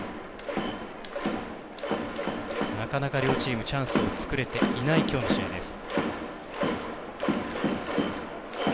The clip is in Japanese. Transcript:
なかなか両チームチャンスを作れていないきょうの試合です。